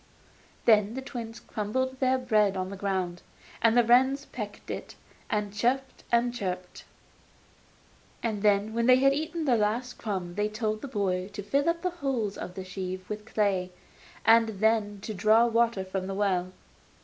Then the twins crumbled their bread on the ground, and the wrens pecked it, and chirruped and chirped. And when they had eaten the last crumb they told the boy to fill up the holes of the sieve with clay, and then to draw water from the well.